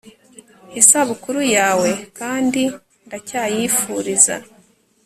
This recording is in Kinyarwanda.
isabukuru yawe, kandi ndacyayifuriza